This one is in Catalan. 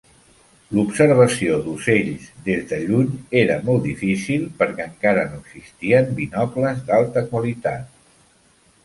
L'observació d'ocells des de lluny era molt difícil perquè encara no existien binocles d'alta qualitat.